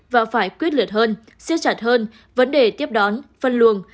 và phải quyết liệt hơn siết chặt hơn vấn đề tiếp đón phân luồng